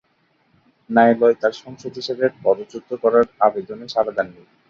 ন্যায়ালয় তার সাংসদ হিসেবে পদচ্যুত করার আবেদনে সাড়া দেন নি।